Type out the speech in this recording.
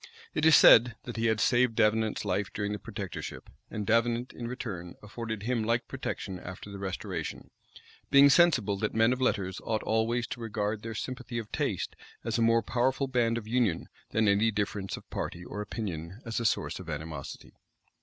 It is said, that he had saved Davenant's life during the protectorship; and Davenant in return afforded him like protection after the restoration; being sensible that men of letters ought always to regard their sympathy of taste as a more powerful band of union, than any difference of party or opinion as a source of animosity.